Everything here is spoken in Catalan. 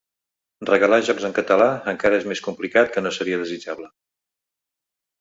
Regalar jocs en català encara és més complicat que no seria desitjable.